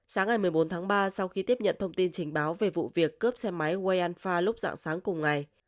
sáng ngày một mươi bốn tháng ba sau khi tiếp nhận thông tin trình báo về vụ việc cướp xe máy wayanfa lúc dạng sáng cùng ngày